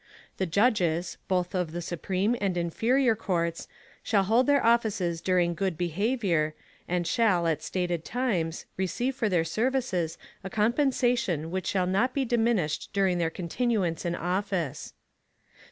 The Judges, both of the supreme and inferior Courts, shall hold their Offices during good Behavior, and shall, at stated times, receive for their Services, a Compensation which shall not be diminished during their Continuance in Office.